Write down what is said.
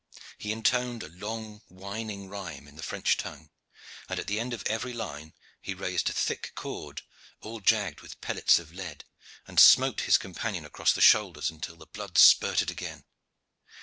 He intoned a long whining rhyme in the French tongue, and at the end of every line he raised a thick cord, all jagged with pellets of lead, and smote his companion across the shoulders until the blood spurted again.